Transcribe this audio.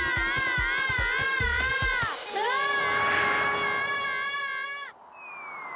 うわあ！